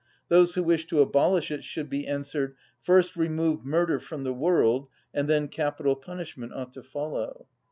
Those who wish to abolish it should be answered, "First remove murder from the world, and then capital punishment ought to follow."